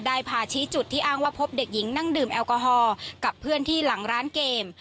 พาชี้จุดที่อ้างว่าพบเด็กหญิงนั่งดื่มแอลกอฮอล์กับเพื่อนที่หลังร้านเกม